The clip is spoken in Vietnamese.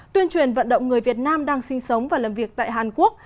tuyên truyền vận động người việt nam đang sinh sống và làm việc tại hàn quốc